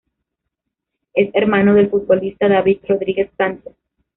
Es hermano del futbolista David Rodríguez Sánchez.